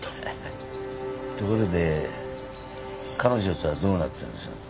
ところで彼女とはどうなったんです？